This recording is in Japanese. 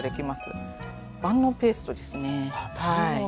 あっ万能ペーストです。